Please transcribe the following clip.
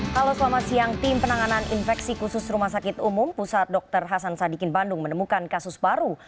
halo selamat siang tim penanganan infeksi khusus rumah sakit umum pusat dr hasan sadikin bandung menemukan kasus baru